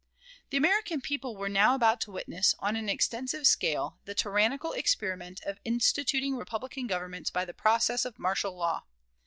The American people were now about to witness, on an extensive scale, the tyrannical experiment of instituting republican governments by the processes of martial law.